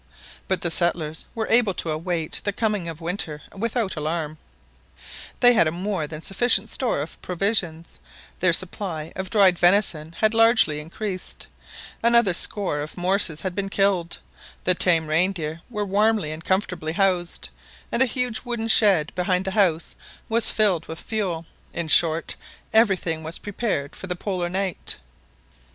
But the settlers were able to await the coming of winter without alarm; they had a more than sufficient store of provisions, their supply of dried venison had largely increased, another score of morses had been killed, the tame rein deer were warmly and comfortably housed, and a huge wooden shed behind the house was filled with fuel. In short, everything was prepared for the Polar night.